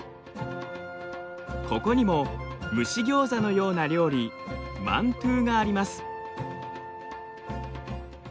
ここにも蒸しギョーザのような料理マントゥがあります。